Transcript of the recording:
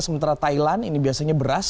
sementara thailand ini biasanya beras